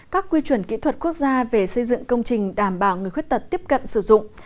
các quy chuẩn kỹ thuật quốc gia về xây dựng công trình đảm bảo người khuyết tật tiếp cận sử dụng